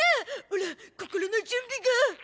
オラ心の準備が！